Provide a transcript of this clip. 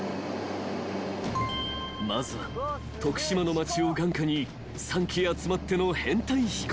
［まずは徳島の街を眼下に３機集まっての編隊飛行］